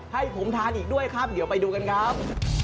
ให้ผมทานอีกด้วยครับเดี๋ยวไปดูกันครับ